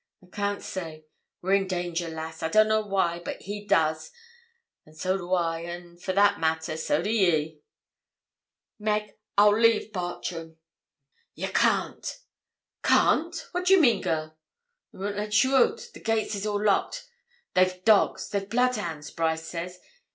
'I can't say we're in danger, lass. I don't know why but he does, an' so do I, an', for that matter, so do ye.' 'Meg, I'll leave Bartram.' 'Ye can't.' 'Can't. What do you mean, girl?' 'They won't let ye oot. The gates is all locked. They've dogs they've bloodhounds, Brice says.